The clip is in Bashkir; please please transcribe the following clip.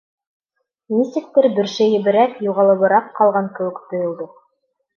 Нисектер бөршәйеберәк, юғалыбыраҡ ҡалған кеүек тойолдо.